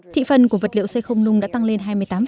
thị phần của vật liệu xây không nung đã tăng lên hai mươi tám